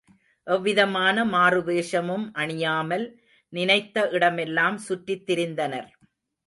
எவ்விதமான மாறுவேஷமும் அணியாமல், நினைத்த இடமெல்லாம் சுற்றித் திரிந்தனர்.